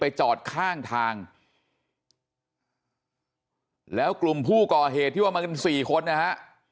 จอดข้างทางแล้วกลุ่มผู้ก่อเหตุที่ว่ามากันสี่คนนะฮะ